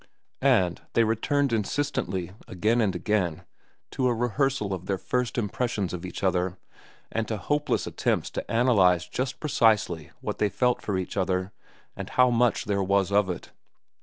And they returned insistently, again and again, to a rehearsal of their first impressions of each other and to hopeless attempts to analyze just precisely what they felt for each other and how much there was of it.